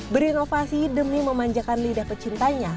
berinovasi demi memanjakan lidah pecintanya